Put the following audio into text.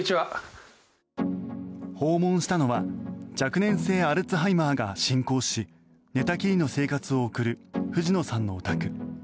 訪問したのは若年性アルツハイマーが進行し寝たきりの生活を送る藤野さんのお宅。